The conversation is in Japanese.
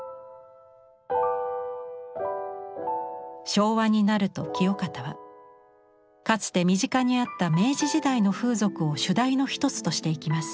昭和になると清方はかつて身近にあった明治時代の風俗を主題の一つとしていきます。